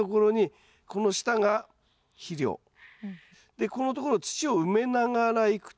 でここのところを土を埋めながらいくとですね